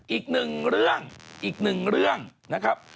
อีกหนึ่งเรื่องอีกหนึ่งเรื่องนะครับ